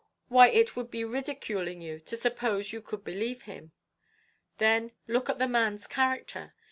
Why it would be ridiculing you to suppose you could believe him. Then look at the man's character.